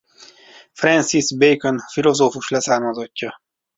Francis Bacon filozófus leszármazottja.